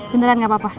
bentar kan gak apa apa